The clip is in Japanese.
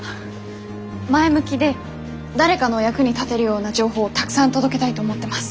前向きで誰かの役に立てるような情報をたくさん届けたいと思ってます。